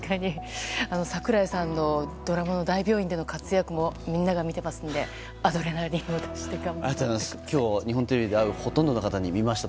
櫻井さんのドラマの大病院での活躍もみんなが見ていますのでアドレナリンを出してから。